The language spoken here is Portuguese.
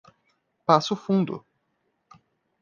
Passo Fundo